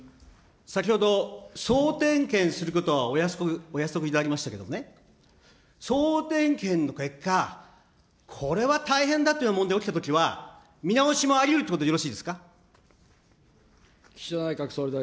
先ほど総点検することはお約束いただきましたけれども、総点検の結果、これは大変だっていう問題が起きたときは、見直しもありうるということでよろしいですか。